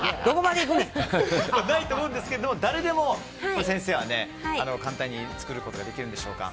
ないと思うんですが先生、誰でも簡単に作ることができるんでしょうか。